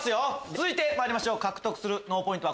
続いてまいりましょう獲得する脳ポイント